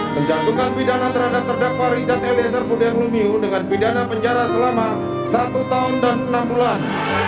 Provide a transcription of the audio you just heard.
berhentikan pada terdakwa rizal darius sabudin dengan pidana penjara selama seratus tahun dan enam bulan